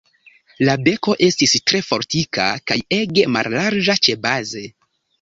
La beko estis tre fortika kaj ege mallarĝa ĉebaze.